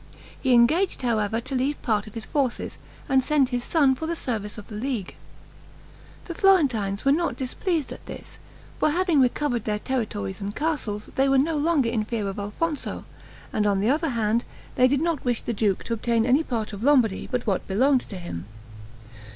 He engaged, however, to leave part of his forces, and send his son for the service of the League. The Florentines were not displeased at this; for having recovered their territories and castles, they were no longer in fear of Alfonso, and on the other hand, they did not wish the duke to obtain any part of Lombardy but what belonged to him.